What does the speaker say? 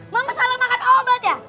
mama salah makan obat ya